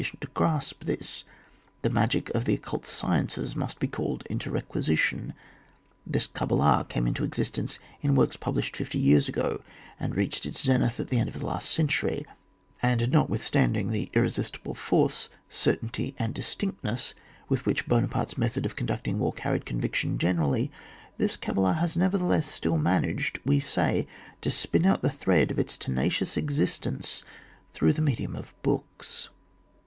cient to grasp this, the magic of the occult sciences must be called into requisition. This cabala came into existence in works published fifty years ago, and reached its zenith at the end of the last century ; and not withstanding the irresistible force, cer tainty and distinctness with which Buona parte's method of conducting war carried conviction generally, this cabala has, nevertheless, still managed, we say, to spin out the thread of its tenacious exis tence through the medium of books.